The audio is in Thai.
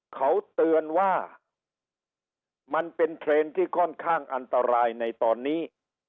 เขาเตือนว่ามันเป็นเทรนด์ที่ค่อนข้างอันตรายในตอนนี้